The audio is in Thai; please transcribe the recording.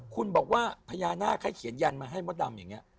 คุณบอกว่าพญานาคให้เขียนยันมาให้มดดำอย่างนี้